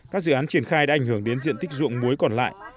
các dự án triển khai đã ảnh hưởng đến diện tích dụng muối còn lại